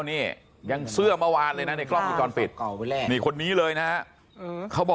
เขาไปเรื่องที่ไปเรื่องโอนที่กันที่บ้าน